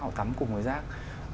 họ tắm cùng với rác